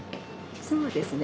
そうですね。